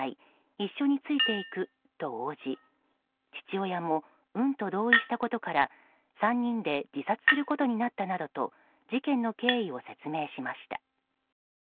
一緒についていくと応じ父親も、うんと同意したことから３人で自殺することになったなどと事件の経緯を説明しました。